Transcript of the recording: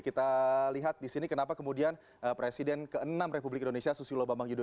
kita lihat di sini kenapa kemudian presiden ke enam republik indonesia susilo bambang yudho